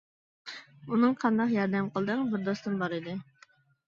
-ئۇنىڭغا قانداق ياردەم قىلدىڭ؟ -بىر دوستۇم بار ئىدى.